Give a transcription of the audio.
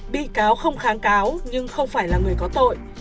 bị cáo không kháng cáo nhưng không phải là người có tội